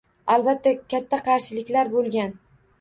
Albatta katta qarshiliklar bo‘lgan